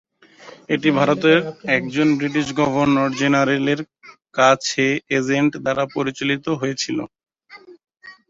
এটি ভারতের একজন ব্রিটিশ গভর্নর জেনারেলের কাছে এজেন্ট দ্বারা পরিচালিত হয়েছিল।